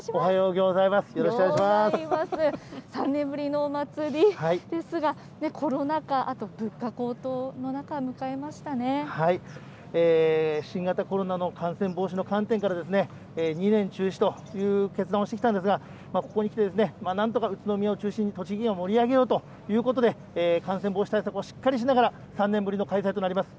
３年ぶりのお祭りですが、コロナ禍、あと物価高騰の中迎えま新型コロナの感染防止の観点から、２年中止という決断をしてきたんですが、ここにきて、なんとか宇都宮を中心に栃木県を盛り上げようということで、感染防止対策をしっかりしながら、３年ぶりの開催となります。